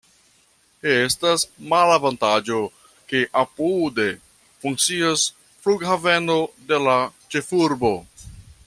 Estas malavantaĝo, ke apude funkcias flughaveno de la ĉefurbo.